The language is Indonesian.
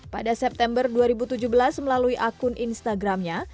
pada september dua ribu tujuh belas melalui akun instagramnya